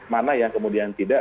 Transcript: mana yang kemudian tidak